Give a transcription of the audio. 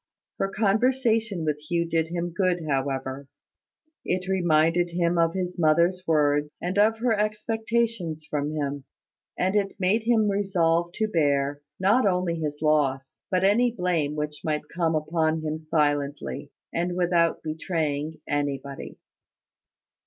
Her conversation with Hugh did him good, however. It reminded him of his mother's words, and of her expectations from him; and it made him resolve to bear, not only his loss, but any blame which might come upon him silently, and without betraying anybody.